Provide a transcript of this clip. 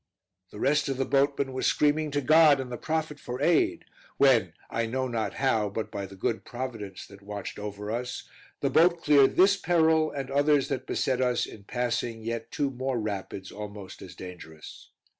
The rest of the boatmen were screaming to God and the prophet for aid, when, I know not how, but by the good Providence that watched over us, the boat cleared this peril, and others that beset us in passing yet two more rapids almost as dangerous.